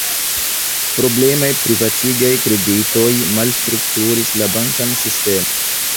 Problemaj privatigaj kreditoj malstrukturis la bankan sistemon.